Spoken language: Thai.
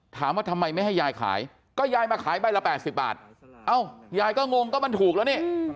ถามว่าทำไมไม่ให้ยายขายก็ยายมาขายใบละ๘๐บาทเอ้ายายก็งงก็มันถูกแล้วนี่